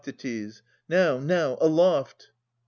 Now, now, aloft